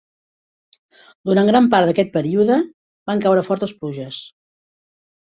Durant gran part d'aquest període van caure fortes pluges.